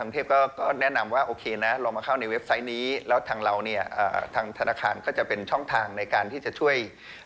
ทางธนาคารก็จะเป็นช่องทางในการที่จะช่วย